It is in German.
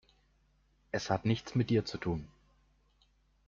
Es hat nichts mit dir zu tun.